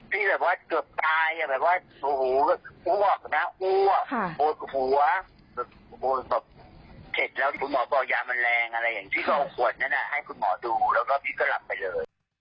พี่แบบว่าเกือบตายอ่ะแบบว่าโอ้โหแบบอ้วกนะอ้วกปวดหัวแบบเสร็จแล้วคุณหมอบอกยามันแรงอะไรอย่างที่เขาเอาขวดนั้นให้คุณหมอดูแล้วก็พี่ก็หลับไปเลย